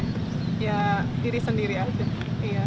ya diri sendiri aja